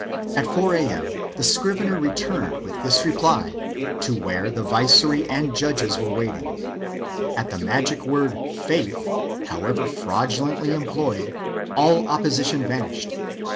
At 4 A.M. the scrivener returned with this reply to where the viceroy and judges were waiting. At the magic word " faith," CHAP. Ill] BEARING ARMS 407 however fraudulently employed, all opposition vanished.